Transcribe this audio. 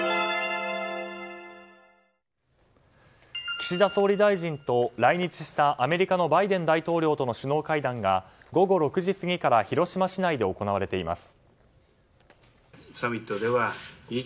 岸田総理大臣と来日したアメリカのバイデン大統領との首脳会談が午後６時過ぎから広島市内で行われています。